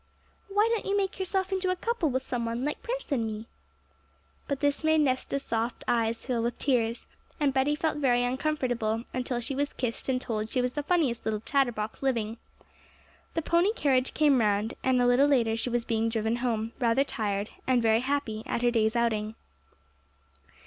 Why don't you make yourself into a couple with some one, like Prince and me?' But this made Nesta's soft eyes fill with tears; and Betty felt very uncomfortable until she was kissed and told she was the funniest little chatterbox living. The pony carriage came round; and a little later she was being driven home, rather tired, and very happy, at her day's outing.